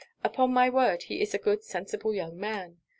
Upon my word, he is a good sensible young man.